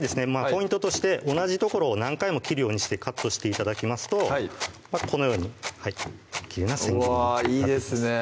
ポイントとして同じ所を何回も切るようにしてカットして頂きますとこのようにきれいな千切りにうわいいですね